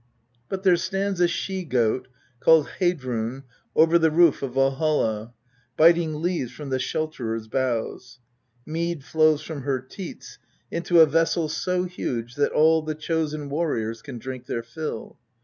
But there stands a she goat called Heidrun over the roof of Valholl, biting leaves from the Shelterer's boughs. Mead flows from her teats into a vessel so huge that all the Chosen Warriors can drink their fill.